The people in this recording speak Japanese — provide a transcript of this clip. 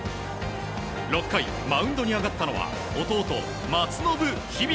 ６回、マウンドに上がったのは弟・松延響。